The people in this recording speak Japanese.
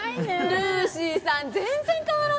ルーシーさん